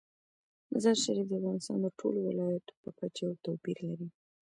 مزارشریف د افغانستان د ټولو ولایاتو په کچه یو توپیر لري.